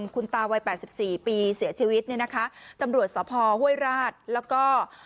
คุณตาวัย๘๔ปีเสียชีวิตเนี่ยนะคะตำรวจสภห้วยราชแล้วก็